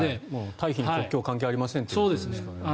退避に国境は関係ありませんということですからね。